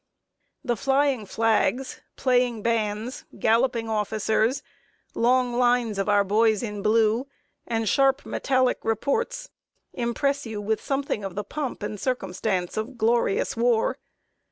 The flying flags, playing bands, galloping officers, long lines of our boys in blue, and sharp metallic reports, impress you with something of the pomp and circumstance of glorious war.